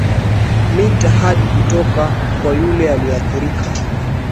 mita hadi kutoka kwa yule aliyeathirika